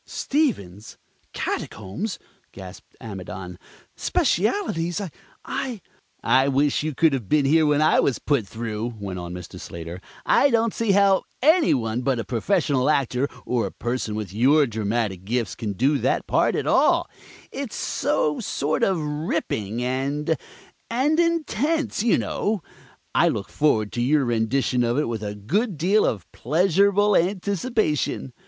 "Stevens! Catacombs!" gasped Amidon, "specialties! I " "I wish you could have been here when I was put through," went on Mr. Slater. "I don't see how any one but a professional actor, or a person with your dramatic gifts, can do that part at all it's so sort of ripping and and intense, you know. I look forward to your rendition of it with a good deal of pleasurable anticipation."